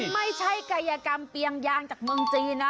ไม่ใช่กายกรรมเปียงยางจากเมืองจีนนะ